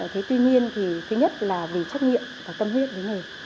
thế tuy nhiên thì thứ nhất là vì trách nhiệm và tâm huyết với nghề